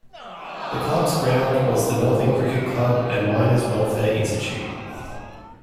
The club's ground was the Norton Cricket Club and Miners Welfare Institute.